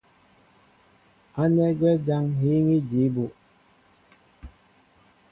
Ánɛ́ gwɛ́ jǎn ŋ́ hííŋí jǐ bú.